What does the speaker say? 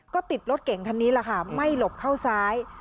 ก็ติดรถเก่งคันนี้แหละค่ะไม่หลบเข้าซ้าย